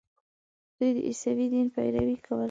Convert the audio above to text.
دوی د عیسوي دین پیروي کوله.